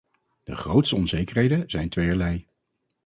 De grootste onzekerheden zijn tweeërlei.